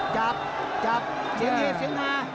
จับจับเสียงเฮเสียงฮา